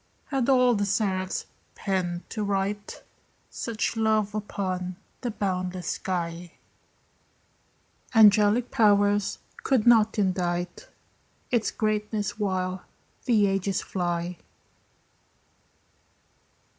Had all the seraphs pens to write Such love upon the boundless sky, Angelic powers could not indite Its greatness while the ages fly.